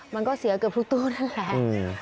มันก็เสียเกือบทุกตู้นั่นแหละ